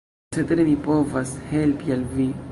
Cetere mi povas helpi al vi.